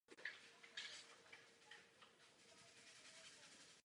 Aztékové z něj vyráběli i inkoust.